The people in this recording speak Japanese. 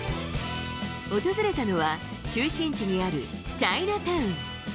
訪れたのは、中心地にあるチャイナタウン。